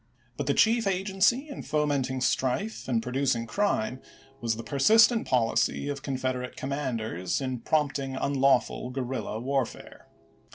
But the chief agency in fomenting strife and producing crime, was the persistent policy of Confederate commanders in prompting unlawful guerrilla warfare.